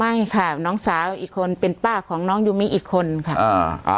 ไม่ค่ะน้องสาวอีกคนเป็นป้าของน้องยูมิอีกคนค่ะอ่า